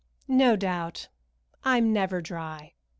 "No doubt. I'm never dry.